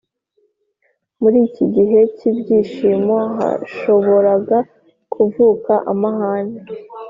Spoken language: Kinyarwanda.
muri iki gihe k’ibyishimo hashoboraga kuvuka amahane,